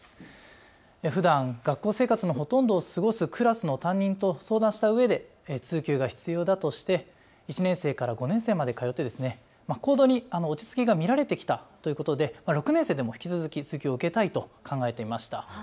ふだん学校生活のほとんどを過ごすクラスの担任と相談したうえで通級が必要だとして１年生から５年生まで通って行動に落ち着きが見られてきたということで６年生でも引き続き通級を受けたいと考えていました。